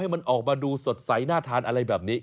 มันออกมาดูสดใสน่าทานอะไรแบบนี้